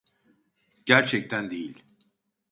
Gerçekten değil.